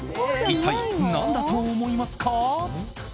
一体何だと思いますか？